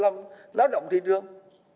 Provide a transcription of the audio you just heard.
làm làm động thị trường